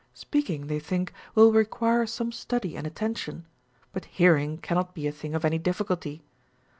Speaking they think will require some study and attention, but hearing cannot be a tiling of any difficulty.